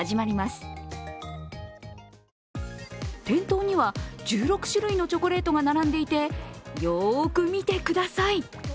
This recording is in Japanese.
店頭には１６種類のチョコレートが並んでいて、よく見てください